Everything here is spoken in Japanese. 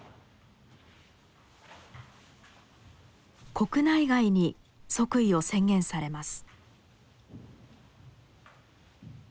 国内外に即位を宣言されます。